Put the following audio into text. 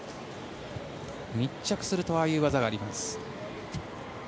密着するとああいう技があります。